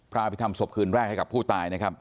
พระอภิษฐรรศพคืนแรกให้กับผู้ตายนะครับ